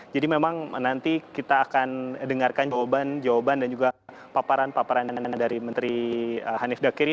jadi memang nanti kita akan dengarkan jawaban jawaban dan juga paparan paparan dari menteri hanifdakiri